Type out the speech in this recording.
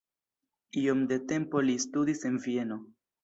Iom de tempo li studis en Vieno.